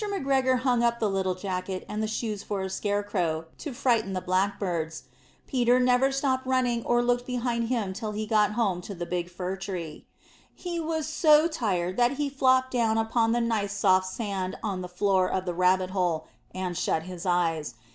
McGregor hung up the little jacket and the shoes for a scare crow to frighten the Blackbirds. Peter never stopped running or looked behind him till he got home to the big fir tree. He was so tired that he flopped down upon the nice soft sand on the floor of the rabbit hole, and shut his eyes.